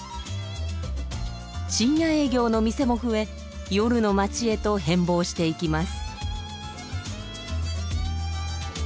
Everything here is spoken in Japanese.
深夜営業の店も増え夜の街へと変貌していきます。